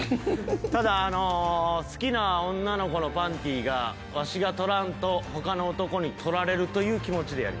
ただ好きな女の子のパンティがわしが取らんと他の男に取られるという気持ちでやります。